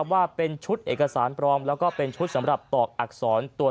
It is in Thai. ว่าเป็นชุดเอกสารปลอมแล้วก็เป็นชุดสำหรับตอกอักษรตัว